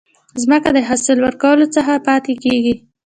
ځمکه د حاصل ورکولو څخه پاتي کیږي.